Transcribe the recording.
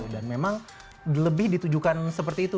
dan memang lebih ditujukan seperti itu